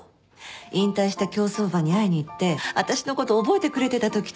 引退した競走馬に会いに行って私のこと覚えてくれてたときとか。